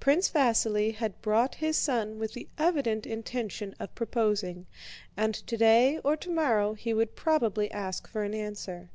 Prince Vasíli had brought his son with the evident intention of proposing, and today or tomorrow he would probably ask for an answer.